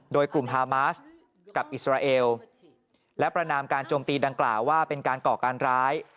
โดยกลุ่มฮามาสกับอิสราเอลและประนามการโจมตีดังกล่าวว่าเป็นการก่อการร้าย